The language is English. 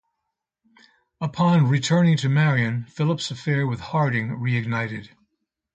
Upon returning to Marion, Phillips' affair with Harding reignited.